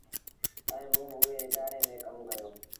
ائيٚݩ موݩ اُئي ادآري ميݩ ڪم ڪيو۔